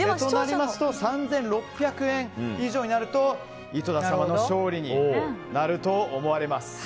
３６００円以上になると井戸田様の勝利になると思われます。